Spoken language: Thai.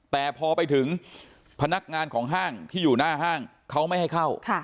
แต่พอไปถึงพนักงานของห้างที่อยู่หน้าห้างเขาไม่ให้เข้า